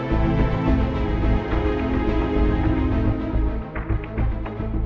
kalau gitu kita langsung aja